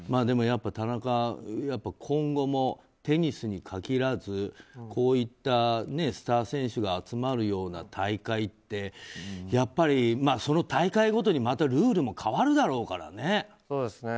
でもやっぱり、田中今後もテニスに限らずこういったスター選手が集まるような大会ってやっぱり、その大会ごとにルールも変わるだろうからね。